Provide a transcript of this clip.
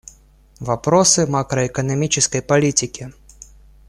Вопросы макроэкономической политики.